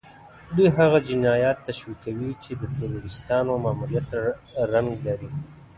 دوی هغه جنايات تشويقوي چې د تروريستانو ماموريت رنګ لري.